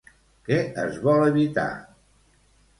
Què es vol evitar?